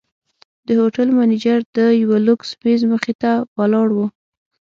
د هوټل منیجر د یوه لوکس میز مخې ته ولاړ و.